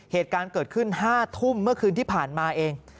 เหตุการณ์เกิดขึ้น๕ทุ่มเมื่อคืนที่ผ่านมาเอง